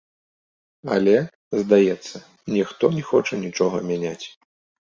Але, здаецца, ніхто не хоча нічога мяняць.